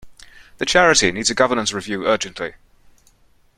The charity needs a governance review urgently